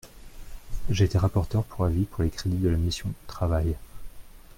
J’ai été rapporteur pour avis pour les crédits de la mission « Travail ».